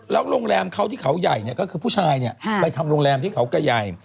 โรงแรมเขาที่เขาใหญ่ก็คือผู้ชายไปทำโรงแรมที่เขากระใหญ่